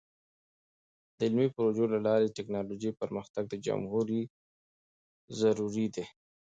د علمي پروژو له لارې د ټیکنالوژۍ پرمختګ د جمهوری ضروری دی.